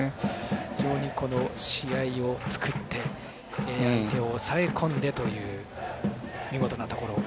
非常に、この試合を作って相手を抑えこんでという見事なところ。